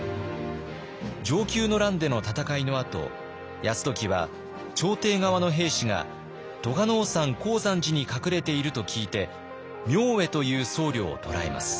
承久の乱での戦いのあと泰時は朝廷側の兵士が栂尾山高山寺に隠れていると聞いて明恵という僧侶を捕らえます。